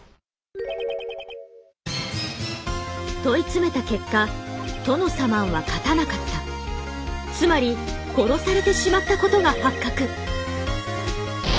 問い詰めた結果「トノサマンは勝たなかった」つまり殺されてしまったことが発覚。